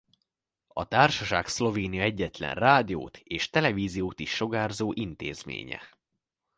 A társaság Szlovénia egyetlen rádiót és televíziót is sugárzó intézménye.